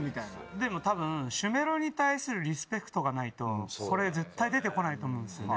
でも多分主メロに対するリスペクトがないとこれ絶対出て来ないと思うんですよね。